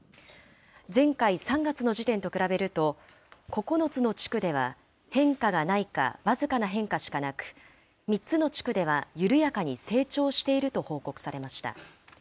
前回・３月の時点と比べると９つの地区では変化がないか、僅かな変化しかなく、３つの地区では緩やかに成長していると報告されました。